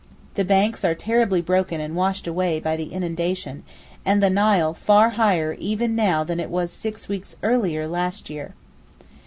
The banks are terribly broken and washed away by the inundation, and the Nile far higher even now than it was six weeks earlier last year.